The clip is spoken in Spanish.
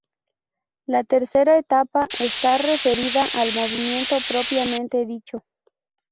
La tercera etapa está referida al movimiento propiamente dicho.